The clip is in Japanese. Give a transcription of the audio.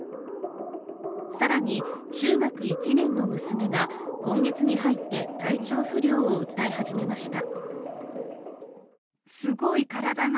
更に中学１年の娘が今月に入って体調不良を訴え始めました。